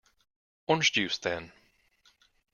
Orange juice, then.